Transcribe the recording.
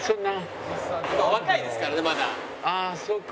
ああそうか。